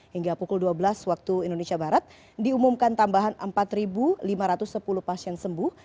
hingga pukul dua belas waktu indonesia barat diumumkan tambahan empat lima ratus sepuluh pasien sembuh